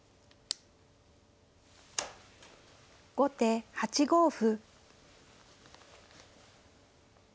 後手８五歩。